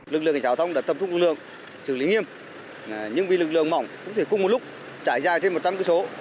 lực lượng hành trào thông đã tập trung lực lượng xử lý nghiêm nhưng vì lực lượng mỏng cũng có thể cùng một lúc trải dài trên một trăm linh km